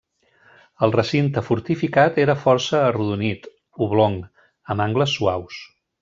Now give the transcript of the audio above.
El recinte fortificat era força arrodonit, oblong, amb angles suaus.